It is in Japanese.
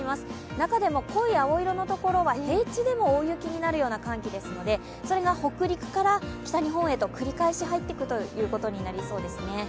中でも濃い青色のところは平地でも大雪になるような寒気ですのでそれが北陸から北日本へと繰り返し入ってきそうですね。